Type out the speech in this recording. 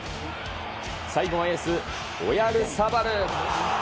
最後はエース、オヤルサバル。